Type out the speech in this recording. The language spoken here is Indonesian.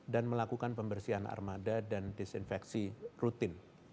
dan melakukan pembersihan armada dan disinfeksi rutin